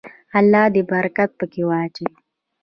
الله دې برکت پکې واچوي.